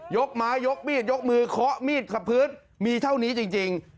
ยกไม้ยกมีดยกมือเคาะมีดกับพื้นมีเท่านี้จริง